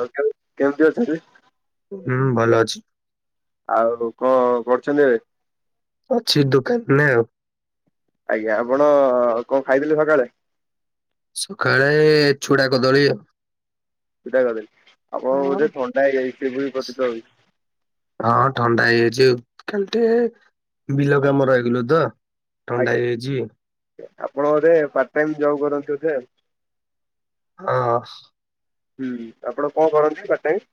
ଆଉ [unintelligible] କେମତି ଅଛନ୍ତି? ହୁଁ ଭଲ ଅଛି। ଆଉ କଁ କରୁଛନ୍ତି ଏବେ ଅଛି ଦୋକାନନେ ଆଉ। ଆଜ୍ଞା ଆପଣ କଁ ଖାଇଥିଲେ ସକାଳେ? ସକାଳେ ଚୁଡା କଦଳୀ ଆଉ। ଚୁଡ଼ା କଦଳୀ ଆପଣଙ୍କ ଆଉ। ବୋଧେ ଥଣ୍ଡା ହେଇଯାଇଛି ସେ ପ୍ରତିତ ହଉଛି। ହଁ ଥଣ୍ଡା ହେଇଯାଇଛି ଖାଲି ଟିକେ। ବିଲ କାମ ରହିଗଲୁ ତ ଥଣ୍ଡା ଆଜ୍ଞା ହେଇଯାଇଛି। ଆପଣ ବୋଧେ ପାର୍ଟ ଟାଇମ ଜବ କରନ୍ତି ବୋଧେ। ହଁ। ହୁଁ ଆପଣ କଣ କରନ୍ତି ପାର୍ଟ ଟାଇମ୍।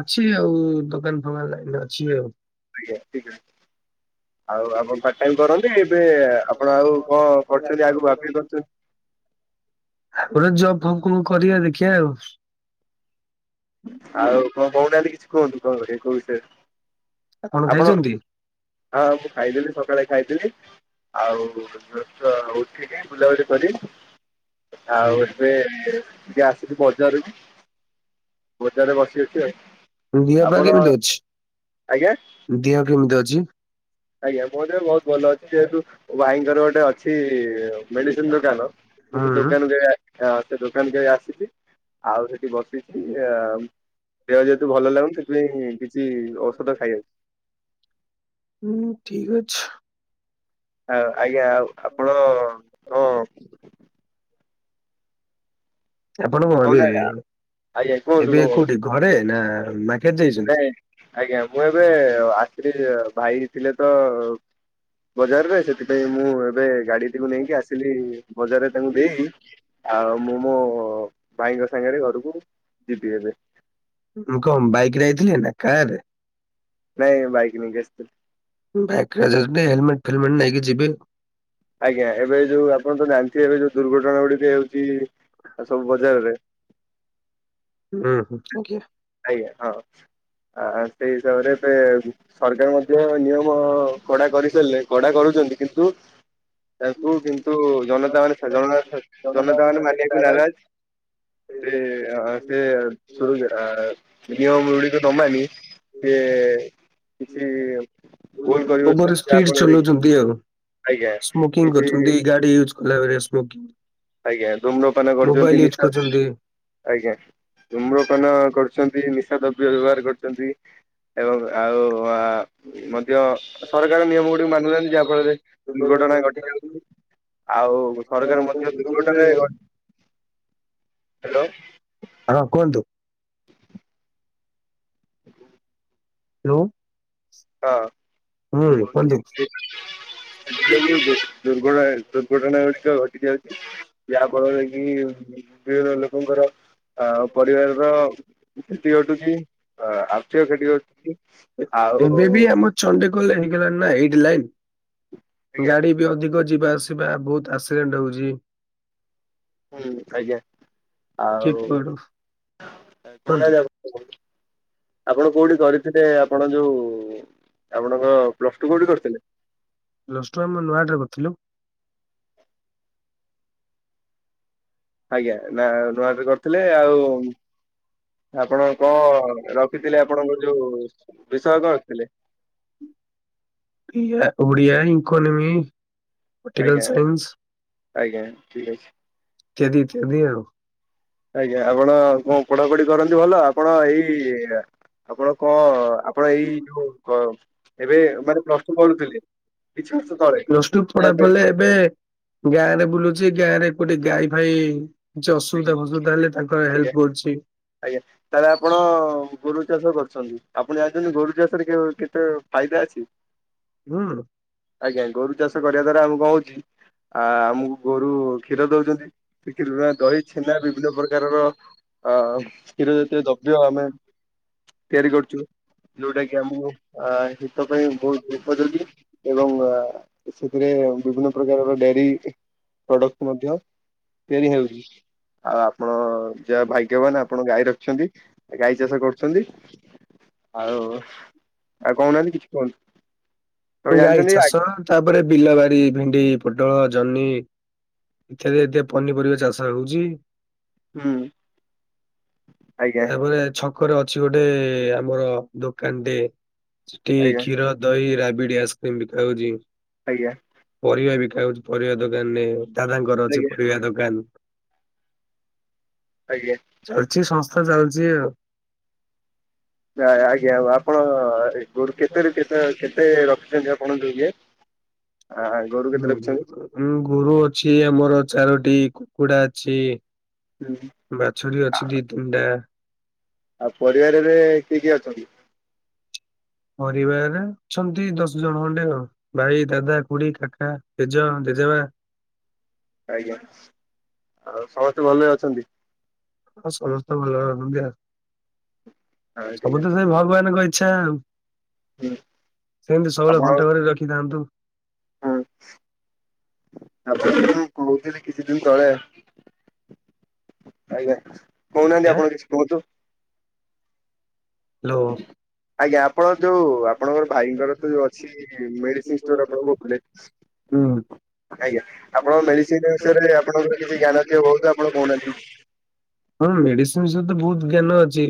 ଅଛି ଆଉ ଦୋକାନ ଫୋକା ଲାଇନରେ ଅଛି ଆଉ। ଆଜ୍ଞା ଠିକ ଅଛି ଆଉ ଆପଣ ଟାଇମ କରନ୍ତି। ଏବେ ଆପଣ ଆଉ କଣ କରୁଛନ୍ତି ଆଗକୁ ଆପିଲ କରୁଛନ୍ତି। ଗୋଟେ ଜବ ଫବ କୁ କରିବା ଦେଖିବା ଆଉ। ଆଉ କଣ କହୁନାହାନ୍ତି କିଛି କୁହନ୍ତୁ କଣ କରିବେ କୋଉ ବିଷୟରେ ଆପଣ। ହଁ ମୁଁ ଖାଇଥିଲି ସକାଳେ ଖାଇଥିଲି। ଆଉ ର ଉଠିକି ବୁଲାବୁଲି କରି। ଆଉ ହୁଁ। ଏବେ ଟିକେ ଆସିଛି ବଜାରକୁ। ବଜରେ ବସି ଅଛି ଆଉ। ଦିହ ପା ଆପଣ କେମିତି ଆଜ୍ଞା ଅଛି ଦିହ କେମିତି ଅଛି। ଆଜ୍ଞା ମୋରେ ବି ବହୁତ ଭଲ ଅଛି ଯେହେତୁ ଭାଇଙ୍କର ଗୋଟେ ଅଛି ମେଡିସିନ ଦୋକାନ ହୁଁ। ଦୋକାନ ଯାଏ ହ ସେ ଦୋକାନ କେ ଆସିଛି ଆଉ ସେଠି ବସିଛି ଆ ଦେହ ଯେହେତୁ ଭଲ ଲାଗୁନ ସେଥିପାଇଁ କିଛି ଔଷଧ ଖାଇ ହୁଁ ଠିକ୍ ଅଛି। ଆଁ ଆଜ୍ଞା ଆଉ [unintelligible] ହଁ ଆପଣ କଣ ଏବେ କହୁନା ଆଜ୍ଞା କୁହନ୍ତୁ ଏବେ କଣ କହୁଛନ୍ତି? କୋଉଠି ଘରେ ନା ମାର୍କେଟ ଯାଇଛନ୍ତି? ନାଇଁ ଆଜ୍ଞା ମୁଁ ଏବେ ଆସଥିଲି ଭାଇ ଥିଲେ ତ ବଜାରରେ ସେଥିପାଇଁ ମୁଁ ଏବେ ଗାଡିଟିକୁ ନେଇକି ଆସିଲି ବଜାରରେ ତାଙ୍କୁ ଦେଇ ଆଉ ମୁଁ ମୋ ଭାଇଙ୍କ ସାଙ୍ଗରେ ଘରକୁ ଯିବି ଏବେ। ମୁଁ କଣ ବାଇକରେ ଯାଇଥିଲି ନା କାର୍ ରେ। ନାଇଁ ବାଇକ ନେଇକି ଆସିଥିଲି। ବାଇକ ହେଲମେଟ ଫେଲମେଟ ନେଇକି ଯିବେ। ଆଜ୍ଞା ଏବେ ଯୋଉ ଆପଣ ତ ଜାଣିଥିବେ ଏବେ ଯୋଉ ଦୁର୍ଘଟଣା ଗୁଡିକ ହେଉଛି ସବୁ ବଜାରରେ ହୁଁ ଆଜ୍ଞା। ଆଜ୍ଞା ହଁ ଆ ସେଇ ହିସାବରେ ଏବେ ସରକାର ମଧ୍ୟ ନିୟମ କଡା କରିସାରିଲେ କଡା କରୁଛନ୍ତି କିନ୍ତୁ ତାଙ୍କୁ କିନ୍ତୁ ଜନତା ମାନେ ଜ ଜନତା ମାନେ ମାନିବାକୁ ନାରାଜ୍। ସେ ଆ ସେ ନିୟମାବଳି ତ ନବାମ ଯେ କିଛି ଭୋଲ କରିବଛନ୍ତି ଆପଣରେ ଦି ଆଉ। ଆଜ୍ଞା କିଛି ଲଆ ସ୍ମୋକିଂ ଆଜ୍ଞା ଧୁମ୍ରପାନ କରୁଛନ୍ତି ମୋବାଇଲ ୟୁଜ ନିଶା କରୁଛନ୍ତି। ଆଜ୍ଞା ଚୁମ୍ରକନ କରୁଛନ୍ତି ନିଶା ଦ୍ରବ୍ୟ ବ୍ୟବହାର କରୁଚନ୍ତି। ଏବଂ ଆଉ ଆ ମଧ୍ୟ ସରକାର ନିୟମ ଗୁଡିକୁ ମାନୁ ନାହାନ୍ତି, ଯାହା ଫଳରେ ଦୁର୍ଘଟଣା ଘଟି ଯାଉଚି। ଆଉ ସରକାର ମଧ୍ୟ [inaudible] ହଁ, କୁହନ୍ତୁ। ହାଲୋ। ହଁ [inaudible] କୁହନ୍ତୁ। ଦୁର୍ଘଟଣା-ଦୁର୍ଘଟଣା ଗୁଡିକ ଘଟିକି ଯାଉଚି। ଯାହା ଫଳରେ କି ବିଭିନ୍ନ ଲୋକଙ୍କର ଅ ପରିବାରର କ୍ଷତି ଘଟୁଚି, ଅ ଆର୍ଥିକ କ୍ଷତି ଘଟୁଚି ଆଉ [unintelligible] ଚଣ୍ଡେଖୋଲ୍ ରେ ହେଇଗଲାଣି ନା ଏଇଟ୍ ଲାଇନ୍, ଆଜ୍ଞା ଗାଡି ବି ଅଧିକ ଯିବା ଆସିବା ବହୁତ୍ ଆକ୍ସିଡେଣ୍ଟ ହଉଚି। ହୁଁ, କିଏ ଆଜ୍ଞା କୁଆଡୁ ଆଉ କୁହନ୍ତୁ। [inaudible] ଆପଣ କୋଉଠି କରିଥିଲେ ଆପଣ ଯୋଉ ଆପଣଙ୍କ ପ୍ଲସ ଟୁ କୋଉଠି କରିଥିଲେ? ପ୍ଲସ୍ ଟୁ ଆମ ନୂଆହାଟ ରେ କରିଥିଲୁ। ଆଜ୍ଞା, ନା ନୂଆହାଟ ରେ କରିଥିଲେ ଆଉ ଆପଣ କଣ ରଖିଥିଲେ ଆପଣଙ୍କ ଯୋଉ ବିଷୟ କଣ ରଖିଥିଲେ? ଓଡିଆ, ଇକୋନୋମି ପଟିକାଲ ସାଇନ୍ସ ଆଜ୍ଞା-ଆଜ୍ଞା ଠିକ୍ ଅଛି। ଇତ୍ୟାଦି-ଇତ୍ୟାଦି ଆଉ। ଆଜ୍ଞା, ଆପଣ କଣ ପଢ଼ାପଢ଼ି କରନ୍ତି ଭଲ ଆପଣ ଏଇ ଆପଣ କଣ ଆପଣ ଏଇ ଯୋଉ ଏବେ ମାନେ ପ୍ଲସ୍ ଟୁ କରୁଥିଲେ କିଛି ବର୍ଷ ତଳେ ପ୍ଲସ ଟୁ ନା ପଢା ଏବେ? ପଲେ ଏବେ ଗାଁ ରେ ବୁଲୁଚି, ଗାଁ ରେ କୋଉଠି ଗାଈ ଫାଇ କିଛି ଅସୁବିଧା ଆଜ୍ଞା ଫସୁବିଧା ହେଲେ ତାଙ୍କର ଆଜ୍ଞା ହେଲ୍ପ କରୁଚି। ଆଜ୍ଞା। ତାହେଲେ ଆପଣ ଗୋରୁ ଚାଷ କରୁଚନ୍ତି, ଆପଣ ଜାଣିଚନ୍ତି ଗୋରୁ ଚାଷରେ କେତେ ଫାଇଦା ଅଛି? ହୁଁ। ଆଜ୍ଞା ଗୋରୁ ଚାଷ କରିବା ଦ୍ଵାରା ଆମୁକୁ କଣ ହଉଚି ଆ ଆମୁକୁ ଗୋରୁ କ୍ଷୀର ଦଉଚ, ନ୍ତି ସେ କ୍ଷୀର ଦହି, ଛେନା ବିଭିନ୍ନ ପ୍ରକାରର ଅ କ୍ଷୀର ଜାତୀୟ ଦବ୍ୟ, ଆମେ ତିଆରି କରୁଚୁ ଯୋଉଟା କି ଆମକୁ ଆ ହିତ ପାଇଁ ବହୁତ୍ ଉପଯୋଗୀ ଏବଂ ଆ ସେଥିରେ ବିଭିନ୍ନ ପ୍ରକାରର ଡେରି ପ୍ରଡକ୍ଟ ମଧ୍ୟ ତିଆରି ହେଉଚି। ଆଉ ଆପଣ ଯାହଉ ଭାଗ୍ୟବାନ୍ ଆପଣ ଗାଈ ରଖିଚନ୍ତି, ଗାଈ ଚାଷ କରୁଚନ୍ତି। ଆଉ-ଆଉ ହୁଁ। କହୁନାହାନ୍ତି କିଛି କହନ୍ତୁ। ଗାଈ ଚାଷ ତାପରେ ବିଲ ବାରି ଭେଣ୍ଡି, ପୋଟଳ, ଜହ୍ନି [unintelligible] ପନିପରିବା ଚାଷ ହଉଚି। ଆଜ୍ଞା ଆଜ୍ଞା ତାପରେ ଛ ପାଖରେ ଅଛି ଗୋଟେ ଆମର ଦୋକାନଟେ ସେଠି ଆଜ୍ଞା କ୍ଷୀର, ଦହି, ରା ବିଡି ଆଇସ୍କ୍ରିମ ବିକା ହଉଚି। ଆଜ୍ଞା। ପରିବା ବିକା ହଉଚି ପରିବା ଦୋକାନ୍ ରେ, ଦାଦାଙ୍କର ଆଜ୍ଞା ଅଛି ପରିବା ଦୋକାନ୍। ଆଜ୍ଞା। ଚାଲ୍ଚି ସଂସ୍ଥା ଚାଲ୍ଚି ଆଉ। ନା ଆଜ୍ଞା ଆଉ ଆପଣ ଏ ଗୋରୁ କେତେରେ କେତେ କେତେ ରଖିଚନ୍ତି ଆ ପଣ ଯୋଉ ଇଏ ଆଇ ଉଁ ଗୋରୁ ଅଛି ଆମର ଚାରୋଟି କୁକୁଡା ଅଛି। ହୁଁ। ବାଛୁରୀ ଅଛି ଦି ତିନିଟା। ଆଉ ପରିବାରରେ କିଏ କିଏ ଅଛନ୍ତି? ପରିବାରରେ ଅଛନ୍ତି ଦଶ ଜଣ ଖଣ୍ଡେ ଆଉ। ଭାଇ ଦାଦା ଖୁଡୀ କାକା ଜେଜ ଜେଜେମା। ଆଜ୍ଞା ଆଉ ସମସ୍ତେ ଭଲରେ ଅଛନ୍ତି? ହଁ ସମସ୍ତେ ଭଲରେ ଅଛନ୍ତି ଆଉ ହଁ ଠିକ ସବୁ ତ ସେଇ ଭଗବାନ ଙ୍କ ଇଚ୍ଛା ଆଉ। ଅଛି ସେମିତି ସବୁବେଳେ ଘଣ୍ଟ ଘୋଡେଇକି ରଖିଥାନ୍ତୁ। ହୁଁ ଆପଣ ଯୋଉ କହୁଥିଲି କିଛି ଦିନି ତଳେ। ଆଜ୍ଞା କହୁନାହାନ୍ତି ୟା ଆପଣ କିଛି କୁହନ୍ତୁ? ହାଲୋ। ଆଜ୍ଞା ଆପଣ ଯୋଉ ଆପଣଙ୍କର ଭାଇଙ୍କର ତ ଯୋଉ ଅଛି। ମେଡିସିନ୍ ଷ୍ଟୋର ଆପଣ କହୁଥିଲେ। ହୁଁ। ଆଜ୍ଞା ଆପଣଙ୍କ ମେଡିସିନି ବିଷୟରେ ଆପଣଙ୍କର କିଛି ଜ୍ଞାନ ଥିବ ବହୁତୁ ଆପଣ କହୁନାହାନ୍ତି? ହଁ ମେଡିସିନ ବିଷୟରେ ତ ବହୁତ ଜ୍ଞାନ ଅଛି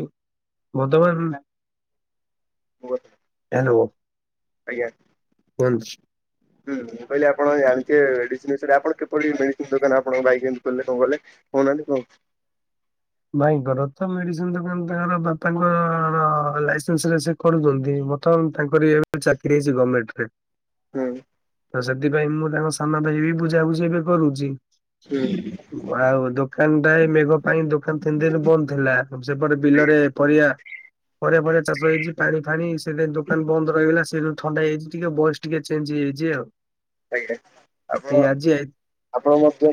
ବର୍ତ୍ତମାନ। [inaudible] ହାଲୋ ଆଜ୍ଞା କୁହନ୍ତୁ? ହୁଁ ମୁଁ କହିଲି ଆପଣ ଜାଣିଥିବେ ମେଡିସିନି ବିଷୟରେ ଆପଣ କିପରି ମେଡିସିନି ଦୋକାନ ଆପଣ ଭାଇଙ୍କୁ। କଲେ କଣ କଲେ କହୁନାହାନ୍ତି କୁହନ୍ତୁ? ଭାଇଙ୍କର ତ ମେଡିସିନୀ ଦୋକାନ ତାଙ୍କର ବାପାଙ୍କର ଲାଇସେନ୍ସ ରେ ସେ ପଢୁଛନ୍ତି ବର୍ତ୍ତମାନ ତାଙ୍କରି ଏ ଚାକିରି ହେଇଚି ଗମେଣ୍ଟେ ରେ। ହୁଁ। ତ ସେଥିପାଇଁ ମୁଁ ତାଙ୍କ ସାନ ଭାଇ ବି ବୁଝାବୁଝି ଏବେ କରୁଚି। ହୁଁ। ଆଉ ଦୋକାନ ଟା ଏ ମେଘ ପାଇଁ ଦୋ କାନ ତିନି ଦିନି ବନ୍ଦ ଥିଲା ସେପଟ ବିଲରେ ପରିଆ ପରିବା ଫରିବା ଚାଷ ହେଇଚି ପାଣି ଫାଣି ସେଇଥି ପାଇଁ ଦୋକାନ ବନ୍ଦ ରହିଗଲା ସେଦିନୁ ଥଣ୍ଡା ହେଇଯାଇଛି ଟିକେ ଭୟେସେ ଟିକେ ଚେଞ୍ଜେ ହେଇଯାଇଛି ଆଉ। ଆଜ୍ଞା ଆପଣ ଏଇ ଆଜି ଆଇ ଆପଣ ମଧ୍ୟ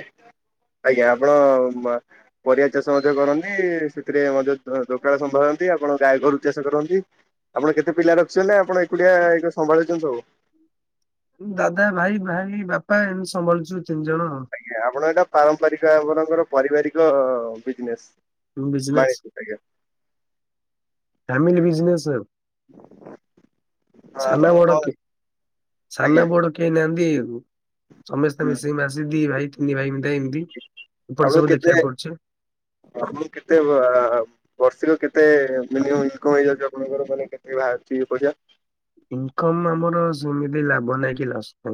ଆଜ୍ଞା ଆପଣ ପରିବା ଚାଷ ମଧ୍ୟ କରନ୍ତି। ସେଥିରେ ମଧ୍ୟ ଦୋକାନ ସମ୍ଭାଳନ୍ତି ଆପଣ ଗାଈ ଗୋରୁ ଚାଷ କରନ୍ତି? ଆପଣ କେତେ ପିଲା ରଖିଛନ୍ତି ନା ଆପଣ ଏକୁଡିଆ ଏଇ ସମ୍ଭାଳୁଛନ୍ତି ସବୁ? ଦାଦା ଭାଇ ଭାଇ ବାପା ଏମିତି ସମ୍ଭାଳିୁଚନ୍ତି ତିନି ଜଣ। ଆଜ୍ଞା ଆପଣ ଏଇଟା ପାରମ୍ପରିକ ଆପଣଙ୍କର ପରିବାରିକ ବିଜିନେସ୍? ହୁଁ ବିଜିନେସ୍। ଆଜ୍ଞା। ହଁ ଫ୍ୟାମିଲି ବିଜିନେସ୍ ଆଉ। ସାନ ଆପଣଙ୍କୁ କଣ ବଡକିଏ ସାନ ଆଜ୍ଞା ବଡ। କେହି ନାହାନ୍ତି ସମସ୍ତେ ମିଶିକି ମାସେ ଦି ଭାଇ ତିନି ଭାଇ ମି ଏମିତି। ଏପଟେ ଆପଣକୁ ସବୁ କେତେ ଦେଖିବାକୁ ପଡୁଛି। ଆପଣକୁ କେତେ ଆ ବର୍ଷିକ କେତେ ମିନିମମ୍ ଇନିକମ୍ ହେଇଯାଉଛି ଆପଣଙ୍କର ମାନେ କେତେ ବାହାରୁଚି ଏ ପଇସା? ଇନକମ୍ ଆମର ସେମିତି ଲାଭ ନହିଁ କି ଲସ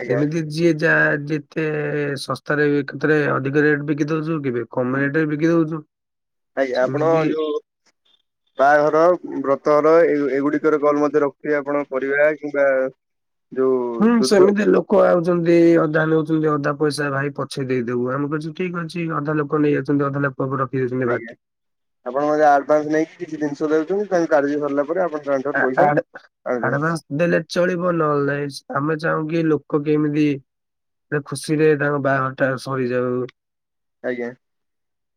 ଆଜ୍ଞା ସେମିତି ଯିଏ ଯାହା ଯେ ତେ ଶସ୍ତାରେ କେତେରେ ଅଧିକ ରେଟ୍ ବିକି ଦଉଚୁ କେବେ କମ୍ ରେଟ୍ ରେ ବିକି ଦଉଚୁ। ଆଜ୍ଞା। ଆପଣ ଯୋଉ ବାହାଘର ବ୍ରତ ଘର ଏ ଏଗୁଡିକର କଲ ମଧ୍ୟ ରଖୁ କି ଆପଣ ପରିବା କିମ୍ବା ଯୋଉ ଦୁଧ କୋଉ ଆଉଛନ୍ତି ଅଧା ନେଉଛନ୍ତି ଅଧା ପଇସା ଭାଇ ପଛେ ଦେଇଦବୁ ଆମେ କହୁଛୁ ଠିକ୍ ଅଛି ଅଧା ଲୋକ ନେଇଯାଉଛନ୍ତି ଅଧା ଲୋ କ ରଖିଦଉଛନ୍ତି ଆଜ୍ଞା ବାକି। ଆପଣ ବୋଧେ ଆଭାନ୍ସ ନେଇକି କିଛି ଜିନିଷ ଦଉଛନ୍ତି ତାଙ୍କ କାର୍ଯ୍ୟ ସରିଲା ପରେ ଆପଣ ଆ ଆ ପଇସା ଆଡ୍ ଆଣୁଛନ୍ତି। ଆଡଆନ୍ସ ଦେଲେ ଚଳିବ ନହେଲେ ନାଇଁ। ଆମେ ଚାହୁଁକି ଲୋକ କେମିତି ଯେ ଖୁସିରେ ତାଙ୍କ ବାହାଘର ଟା ସରିଯାଉ। ଆଜ୍ଞା।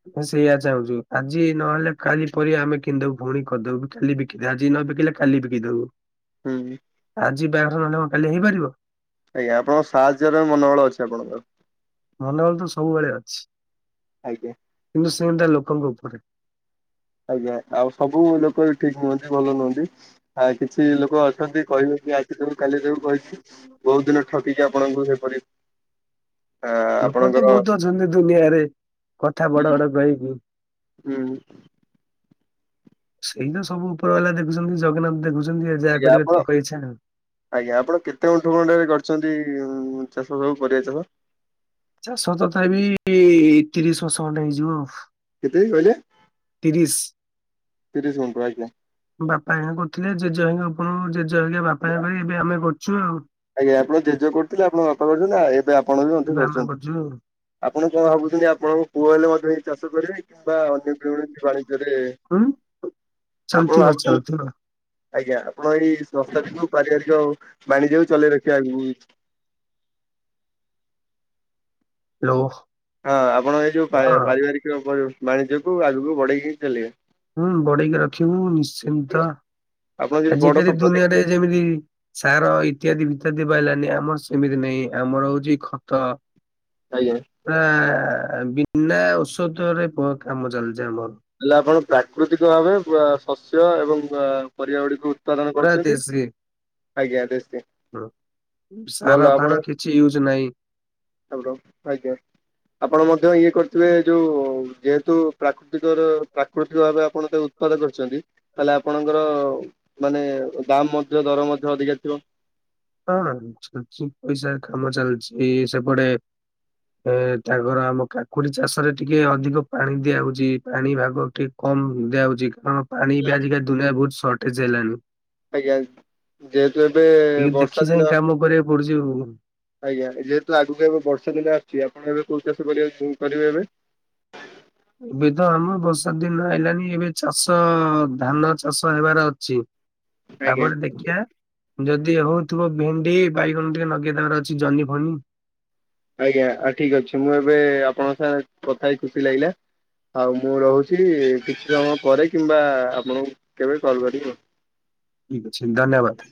[unintelligible] ମୁଁ ସେଇଆ ଚାହୁଁଚୁ। ଆଜି ନହେଲେ କାଲି ପରିବା ଆମେ କିଣିିଦବୁ ପୁଣି କରିଦବୁ କାଲି ବିକି ଆଜି ନବିକି ବିକିଲେ ଖାଲି ବିକି ଦବୁ। ହୁଁ। ଆଜି ବାହାଘର ନହେଲେ କଣ କାଲି ହେଇପାରିବ। ଆଜ୍ଞା। ଆପଣଙ୍କ ସାହାଯ୍ୟର ମନୋବଳ ଅଛି ଆପଣଙ୍କର। ମନୋବଳ ତ ସବୁବେଳେ ଅଛି। ଆଜ୍ଞା। କିନ୍ତୁ ସେନ୍ତିଆ ଲୋକଙ୍କ ଉପରେ। ଆଜ୍ଞା ଆଉ ସବୁ ଲୋକ ବି ଠିକ୍ ନୁହଁନ୍ତି ଭଲ ନୁହଁନ୍ତି। ଆ କିଛି ଲୋକ ଅଛନ୍ତି କହିବେ କି ଆଜିକାଲି କାଲି ଯଉ କହିଛି ବହୁତ ଦିନ ଠକିକି ଆପଣଙ୍କୁ ସେପରି ଆ ଲୋକ ତ ଆପଣଙ୍କର ବହୁତ ଅଛନ୍ତି ଦୁନିଆରେ, କଥା ହୁଁ ବଡ ବଡ କହିକି ହୁଁ। ସେଇ ତ ସବୁ ଉପର ବାଲା ଦେଖୁଛନ୍ତି ଜଗନ୍ନାଥ ଦେଖୁଛନ୍ତି ଯାହା ଆଜ୍ଞା କରିବେ ଆପଣ ତାଙ୍କ ଇଚ୍ଛା। ଆଜ୍ଞା। ଆପଣ କେତେ ଗୁଣ୍ଠୁ ଖଣ୍ଡେ ରେ କରିଛନ୍ତି ଚାଷ ସବୁ ପରିବା ଚାଷ? ଚାଷ ତଥା ବିି ତିରିଶ ବର୍ଷ ଖଣ୍ଡେ ହେଇଯିବ ଆଉ। କେତେ ଏଇ କହିଲେ? ତିରିଶ୍। ତିରିଶ ଗୁଣ୍ଠୁ ଆଜ୍ଞା ବାପା ହେରିକା କରୁଥିଲେ ଜେଜେ ହେଇଙ୍କା [unintelligible] ଜେଜେ ହେଇକା ବାପା ହେଇକା କରି ଏବେ ଆମେ କରଚୁ ଆଉ। ଆଜ୍ଞା ଆପଣଙ୍କ ଜେଜେ କରୁଥିଲେ ଆପଣଙ୍କ ବାପା କରୁଛନ୍ତି ଏବେ ଆପଣ ବି ମଧ୍ୟ ଏବେ ଆମେ କରୁଛନ୍ତି। କରୁଛୁ ଆଉ। ଆପଣ କଣ ଭାବୁଛନ୍ତି ଆପଣଙ୍କ ପୁଅ ହେଲେ ମଧ୍ୟ ଏଇ ଚାଷ କରିବେ କି? ବା [unintelligible] ବାଣିଜ୍ୟରେ ହୁଁ ଆପଣ ଚାଲିଥିବ ଭାବୁଛନ୍ତି ଚାଲିଥିବ। ଆଜ୍ଞା। ଆପଣ ଏଇ ସଂସ୍ଥାଟିକୁ ପାରିବାରିକ ବାଣିଜ୍ୟ ଲୋ ହଁ ଆପଣ ଏଇ ଯୋଉ ପା ହଁ ପାରିବାରିକ ବାଣିଜ୍ୟକୁୁ ଆଗକୁ ବଢେଇକି ଚାଲିବେ। ହୁଁ ବଢେଇକି ରଖିବୁ ନିଶ୍ଚିନ୍ତ। ଆପଣ ଯଦି ବଡ ଆଜିକାଲି ସ୍ୱପ୍ନ ଦେଖି ଦୁନିଆରେ ଯେମିତି ସାର ଇତ୍ୟାଦି ବିତ୍ୟାଦି ପାଇଲାନି, ଆମର ସେମିତି ନାଇଁ ଆମର ହଉଛି ଖତ। ଆଜ୍ଞା। ପୁରା ବିନା ଔଷଧରେ କାମ ଚାଲିଚି ଆମର। ହେଲେ ଆପଣ ପ୍ରାକୃତିକ ଭାବେ ଶସ୍ୟ ଏବଂ ବା ପରିବା ଗୁଡିକ ଉତ୍ପାଦନ ପୁରା କରୁଛନ୍ତି। ଦେଶୀ ଆଜ୍ଞା ହଁ। [unintelligible] ସାର ଭଲ ଫାର ଆପଣଙ୍କ କିଛି ୟୁଜ ନାହିଁ। ଆପଣଙ୍କ ଆଜ୍ଞା। ଆପଣ ମଧ୍ୟ ଇଏ କରିଥିବେ ଯୋଉ ଯେହେତୁ ପ୍ରାକୃ ପ୍ରାକୃତିକ ଭାବେ ଆପଣ ତାକୁ ଉତ୍ପାଦ କରିଛନ୍ତି ତାହେଲେ ଆପଣଙ୍କର ମାନେ ଦାମ୍ ମଧ୍ୟ ଦର ମଧ୍ୟ ଅଧିକା ଥିବ। ହଁ ଚାଲିଛି, ପଇସା କାମ ଚାଲିଛି ସେପଟେ। ଏ ତାଙ୍କର ଆମ କାକୁଡି ଚାଷ ରେ ଟିକେ ଅଧିକ ପାଣି ଦିଆ ହଉଛି, ପାଣି ଭାଗ ଟିକେ କମ ଦିଆହଉଛି, କାରଣ ପାଣି ବି ଆଜିକାଲି ଦୁନିଆରେ ବହୁତ ସର୍ଟେଜ ହେଲାଣି। ଆଜ୍ଞା, ଯେହେତୁ ଏବେ ବର୍ଷା ଦିନ। ପଛିିବ [unintelligible] ଆଜ୍ଞା ଯେହେତୁ, ଆଗକୁ ଏବେ ବର୍ଷା ଦିନ ଆସୁଛି ଆପଣ ଏବେ କୋଉ ଚାଷ କରିବା, କରିବେ ଏବେ। ଏବେ ତ ଆମ ବର୍ଷା ଦିନ ଆଇଲାଣି ଏବେ ଚାଷ ଧାନ ଚାଷ ହେବାର ଅଛି। ଆଜ୍ଞା ତାପରେ ଦେଖିବା। ଯଦି ହଉଥିବ, ଭେଣ୍ଡି, ବାଇଗଣ, ଟିକେ ନଗେଇ ଦବାର ଅଛି ଜହ୍ନି, ଫନି। ଆଜ୍ଞା ଆ ଠିକ ଅଛି। ମୁଁ ଏବେ ଆପଣଙ୍କ ସାଙ୍ଗରେ କଥା ହେଇ ଖୁସି ଲାଗିଲା। ଆଉ ମୁଁ ରହୁଛି, କିଛି ସମୟ ପରେ, କିମ୍ବା ଆପଣଙ୍କୁ କେବେ କଲ୍ କରିବି ଆଉ। ଠିକ୍ ଅଛି ଧନ୍ୟବାଦ।